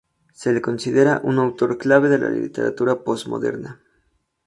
Se le considera un autor clave de la literatura posmoderna.